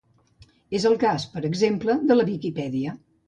És el cas, per exemple, de la Viquipèdia.